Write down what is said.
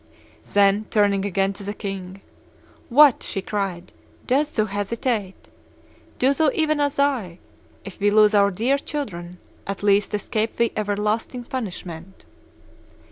Then, turning again to the king, 'What!' she cried, 'dost thou hesitate? Do thou even as I; if we lose our dear children, at least escape we everlasting punishment.